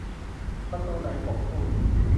'ประตูไหน ?' กบพูด